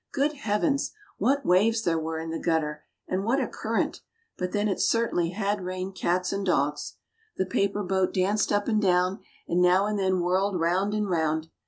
Good heavens! what waves there were in the gutter, and what a current, but then it certainly had rained cats and dogs. The paper boat danced up and down, and now and then whirled round and round.